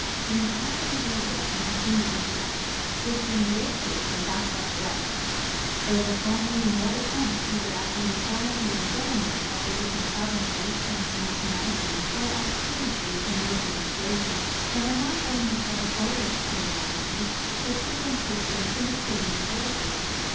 The entire civilization has been Asiatic, differing greatly from that of the west. There was formerly no attempt either at uniformity in the government of the different provinces and nationalities or of symmetry in the administra tion. There were not only territorial peculiarities, but different systems in the same territory.